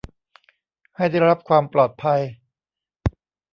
ให้ได้รับความปลอดภัย